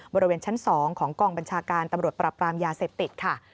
บริเวณชั้น๒ของกองบัญชาการตำรวจปรับปรามยาเสพติดค่ะ